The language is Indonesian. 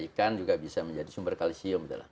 ikan juga bisa menjadi sumber kalisium